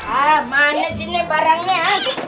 di mana sini barangnya